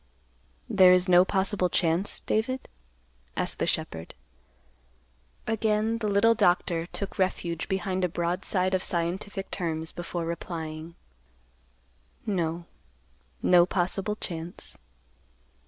"There is no possible chance, David?" asked the shepherd. Again the little doctor took refuge behind a broadside of scientific terms before replying, "No; no possible chance."